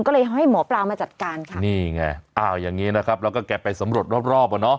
ก็เลยให้หมอปลามาจัดการนี่ไงอ้าวอย่างนี้นะครับแล้วก็แกะไปสำรวจรอบ